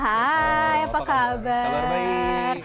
hai apa kabar